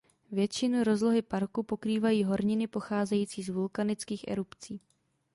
Většinu rozlohy parku pokrývají horniny pocházející z vulkanických erupcí.